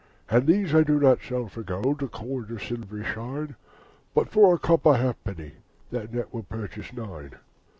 And these I do not sell for gold Or coin of silvery shine, But for a copper halfpenny, And that will purchase nine.